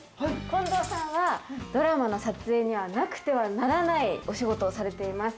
近藤さんはドラマの撮影にはなくてはならないお仕事をされています。